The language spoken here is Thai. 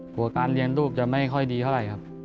การเลี้ยงลูกจะไม่ค่อยดีเท่าไหร่ครับ